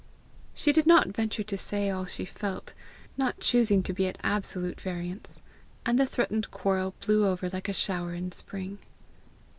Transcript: She did not venture to say all she felt, not choosing to be at absolute variance, and the threatened quarrel blew over like a shower in spring.